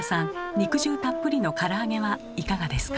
肉汁たっぷりのから揚げはいかがですか？